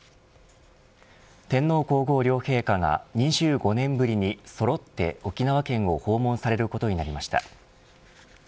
天皇皇后両陛下が２５年ぶりにそろって沖縄県を訪問されることになりました。